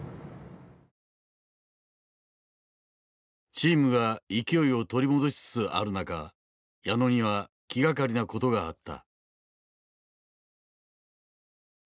チームが勢いを取り戻しつつある中矢野には気がかりなことがあった。